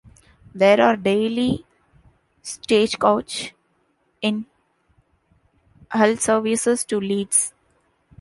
There are daily Stagecoach in Hull services to Leeds.